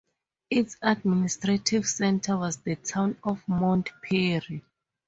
Its administrative centre was the town of Mount Perry.